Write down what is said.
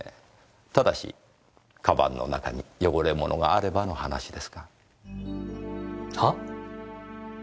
ただし鞄の中に汚れ物があればの話ですが。は？